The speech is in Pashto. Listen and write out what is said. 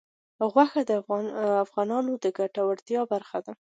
غوښې د افغانانو د ګټورتیا برخه ده.